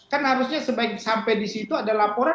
kan harusnya sampai disitu ada laporan